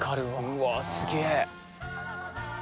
うわすげえ！